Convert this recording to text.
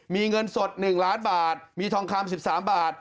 มีเงินสดหนึ่งล้านบาทมีทองคามสิบสามบาท